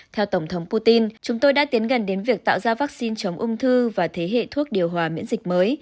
theo tổng thống putin chúng tôi đã tiến gần đến việc tạo ra vaccine chống ung thư và thế hệ thuốc điều hòa miễn dịch mới